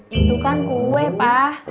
itu kan kue pak